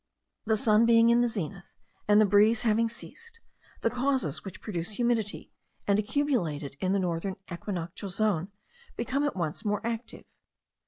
The sun being in the zenith, and the breeze having ceased, the causes which produce humidity, and accumulate it in the northern equinoctial zone, become at once more active.